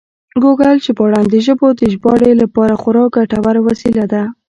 ګوګل ژباړن د ژبو د ژباړې لپاره خورا ګټور وسیله ده.